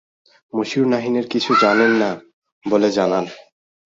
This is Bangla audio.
মশিউর নাহিনের কিছু জানেন না বলে জানান।